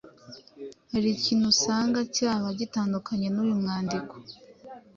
hari ikindi usanga cyaba gitandukanya uyu mwandiko